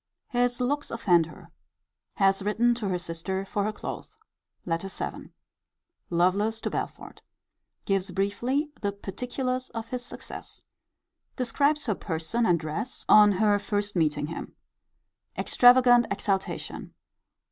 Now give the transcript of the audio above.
His looks offend her. Has written to her sister for her clothes. LETTER VII. Lovelace to Belford. Gives briefly the particulars of his success. Describes her person and dress on her first meeting him. Extravagant exultation.